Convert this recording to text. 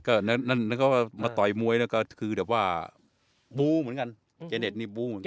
ก็นั่นแล้วก็มาต่อยมวยนั่นก็คือแบบว่าบู้เหมือนกันเจเน็ตนี่บู้เหมือนกัน